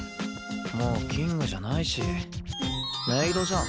もうキングじゃないしメイドじゃん。